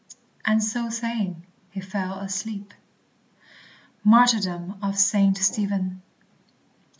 "And so saying, he fell asleep." MARTYRDOM OF SAINT STEPHEN.